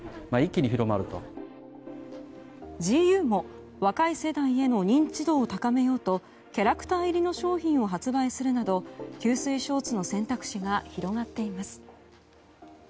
ＧＵも若い世代への認知度を高めようとキャラクター入りの商品を発売するなど吸水ショーツの選択肢が広がっています。